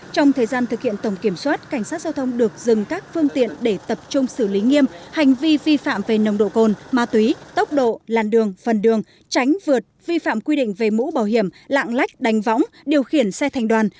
trong thời gian thực hiện tổng kiểm soát cảnh sát giao thông được dừng các phương tiện để tập trung xử lý nghiêm hành vi vi phạm về nồng độ cồn ma túy tốc độ làn đường phần đường tránh vượt vi phạm quy định về mũ bảo hiểm lạng lách đánh võng điều khiển xe thành đoàn